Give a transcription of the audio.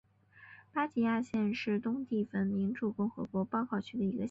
巴吉亚县是东帝汶民主共和国包考区的一个县。